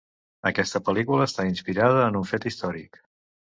Aquesta pel·lícula està inspirada en un fet històric.